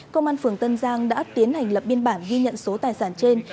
công an phường tân giang đã tiến hành lập biên bản ghi nhận số tài sản trên